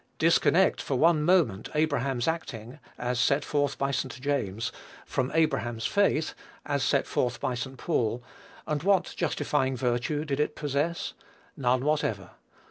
Disconnect, for one moment, Abraham's acting, as set forth by St. James, from Abraham's faith, as set forth by St. Paul, and what justifying virtue did it possess? None whatever.